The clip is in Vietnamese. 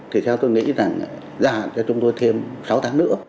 thì sao tôi nghĩ rằng giá cho chúng tôi thêm sáu tháng nữa